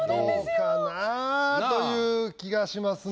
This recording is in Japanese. どうかなという気がしますね。